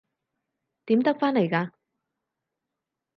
點得返嚟㗎？